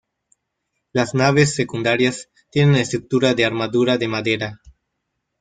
Las naves secundarias tienen estructura de armadura de madera.